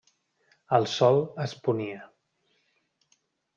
El sol es ponia.